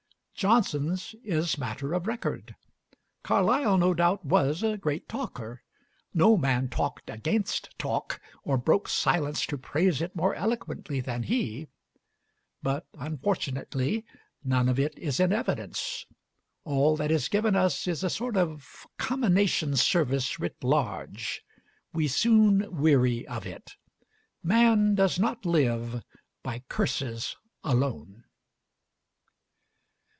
Johnson's is matter of record. Carlyle no doubt was a great talker no man talked against talk or broke silence to praise it more eloquently than he, but unfortunately none of it is in evidence. All that is given us is a sort of Commination Service writ large. We soon weary of it. Man does not live by curses alone.